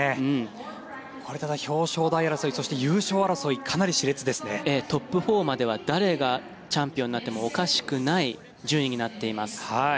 これはただ表彰台そして優勝争いトップ４までは誰がチャンピオンになってもおかしくない順位になっています。